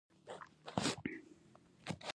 زه هم خوښ شوم چې تر دې ښه څه نشته.